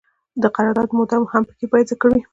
د قرارداد موده هم باید پکې ذکر وي.